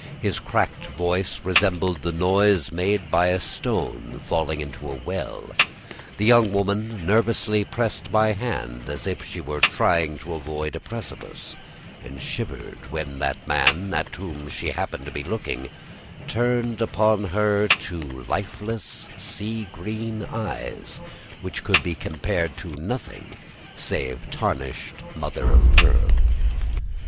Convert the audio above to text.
His cracked voice resembled the noise made by a stone falling into a well. The young woman nervously pressed my hand, as if she were trying to avoid a precipice, and shivered when that man, at whom she happened to be looking, turned upon her two lifeless, sea green eyes, which could be compared to nothing save tarnished mother of pearl.